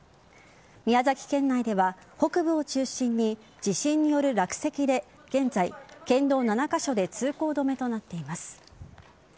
宮崎県内では北部を中心に地震による落石で現在、県道７カ所で通行止めとなっています。